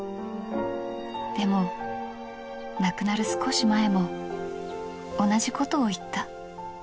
でも亡くなる少し前も同じことを言った。